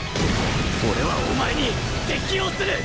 俺はお前に適応する！